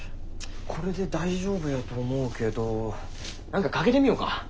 これで大丈夫やと思うけど何かかけてみよか。